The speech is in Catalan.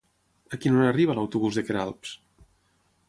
A quina hora arriba l'autobús de Queralbs?